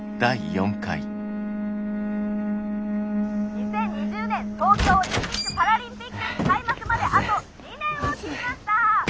「２０２０年東京オリンピックパラリンピック開幕まであと２年を切りました」。